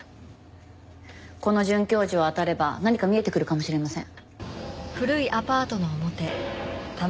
この准教授をあたれば何か見えてくるかもしれません。